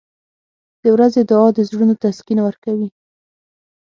• د ورځې دعا د زړونو تسکین ورکوي.